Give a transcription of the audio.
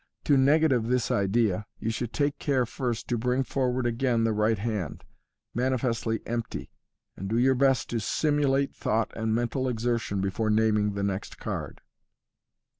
To negative this idea, you should take care first to bring forward again the right hand, manifestly empty, and do your best to simulate thought and mental exertion before naming the next card.